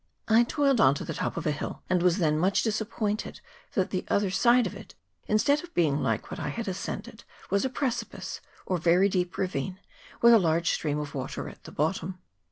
I toiled on to the topt)f a hill, and was then much disappointed that the other side of it, instead of being like what I had ascended, was a precipice, or very deep ravine, with a large stream of water at the bottom.